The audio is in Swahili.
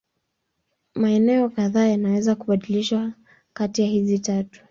Maeneo kadhaa yanaweza kubadilishana kati hizi tatu.